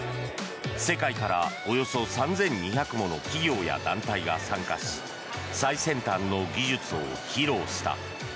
世界からおよそ３２００もの企業や団体が参加し最先端の技術を披露した。